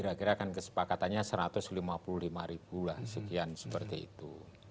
kira kira kan kesepakatannya satu ratus lima puluh lima ribu lah sekian seperti itu